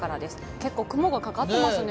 結構雲がかかっていますね。